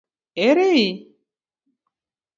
Ere i?